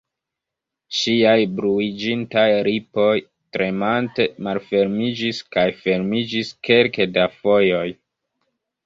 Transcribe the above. Ŝiaj bluiĝintaj lipoj, tremante malfermiĝis kaj fermiĝis kelke da fojoj.